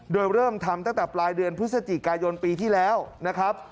โดยเริ่มทำตั้งแต่ปลายเดือนพฤศจิกายนปีที่แล้วนะครับ